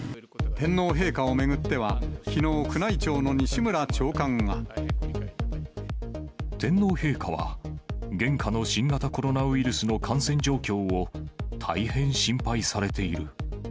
天皇陛下を巡っては、きのう、天皇陛下は、現下の新型コロナウイルスの感染状況を、大変心配されている。